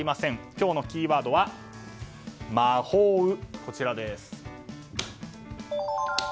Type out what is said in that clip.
今日のキーワードはマホウ。